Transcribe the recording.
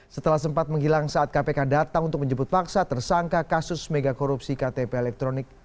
setelah sempat menghilang saat kpk datang untuk menjemput paksa tersangka kasus mega korupsi ktp elektronik